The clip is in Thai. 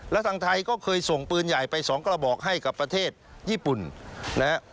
และทางไทยก็เคยส่งปืนใหญ่ไปสองกระบอกให้กับประเทศญี่ปุ่นนะฮะ